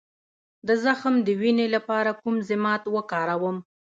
د زخم د وینې لپاره کوم ضماد وکاروم؟